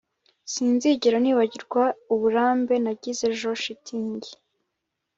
Sinzigera nibagirwa uburambe nagize ejo shitingi